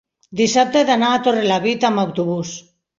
dissabte he d'anar a Torrelavit amb autobús.